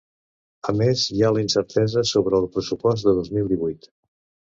A més, hi ha la incertesa sobre el pressupost del dos mil divuit.